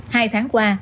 hai tháng qua